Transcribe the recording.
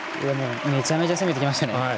めちゃめちゃ攻めてきましたね。